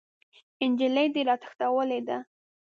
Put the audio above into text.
نجلۍ دې راتښتولې ده!